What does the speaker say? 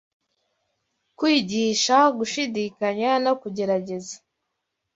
'Kwigisha gushidikanya no kugerageza